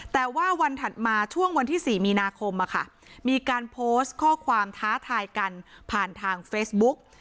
แต่ว่าวันถัดมาช่วงวันที่๔มีนาคมมีการโพสต์ข้อความท้าทายกันผ่านทางเฟซบุ๊ก